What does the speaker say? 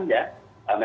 terima kasih pak gita